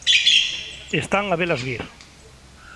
Están a velas vir.